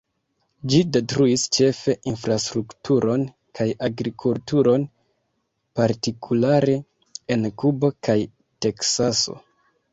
Ĝi detruis ĉefe infrastrukturon kaj agrikulturon, partikulare en Kubo kaj Teksaso.